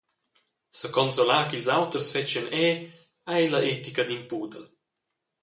Seconsolar ch’ils auters fetschien è ei la etica d’in pudel.